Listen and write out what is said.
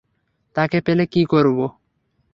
তাকে পেলে কি করবো?